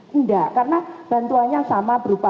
tidak karena bantuannya sama berupa